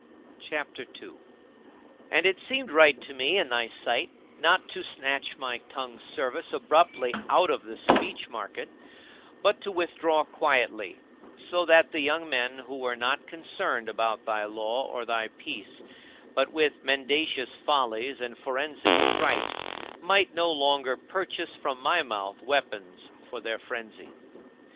CHAPTER II 2. And it seemed right to me, in thy sight, not to snatch my tongue's service abruptly out of the speech market, but to withdraw quietly, so that the young men who were not concerned about thy law or thy peace, but with mendacious follies and forensic strifes, might no longer purchase from my mouth weapons for their frenzy.